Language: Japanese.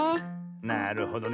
なるほどね。